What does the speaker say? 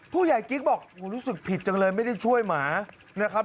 กิ๊กบอกรู้สึกผิดจังเลยไม่ได้ช่วยหมานะครับ